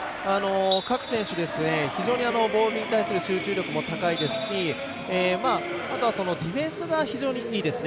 各選手、非常にボールに対する集中力も高いですしあとは、ディフェンスが非常にいいですね。